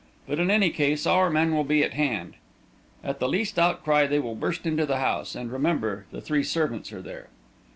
"But, in any case, our men will be at hand. At the least outcry they will burst into the house. And remember, the three servants are there."